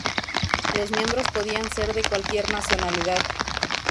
Los miembros podían ser de cualquier nacionalidad.